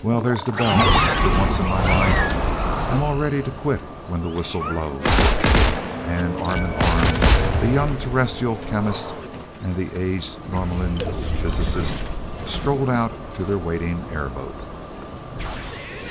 Well, there's the bell for once in my life, I'm all ready to quit when the whistle blows," and arm in arm the young Terrestrial chemist and the aged Norlaminian physicist strolled out to their waiting airboat.